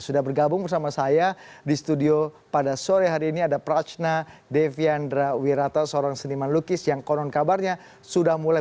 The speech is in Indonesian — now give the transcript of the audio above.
sudah bergabung bersama saya di studio pada sore hari ini ada prachna deviandra wirata seorang seniman lukis yang konon kabarnya sudah mulai